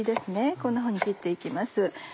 こんなふうに切って行きます。